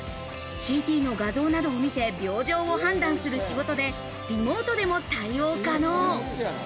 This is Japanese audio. ＣＴの画像などを見て、病状を判断する仕事で、リモートでも対応可能。